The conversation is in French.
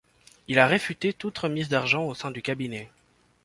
Il a réfuté toute remise d'argent au sein du cabinet.